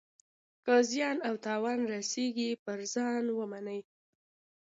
که زیان او تاوان رسیږي پر ځان ومني.